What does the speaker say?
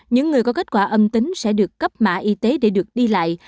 những người có kết quả âm tính sẽ được cấp mã y tế để được đi lại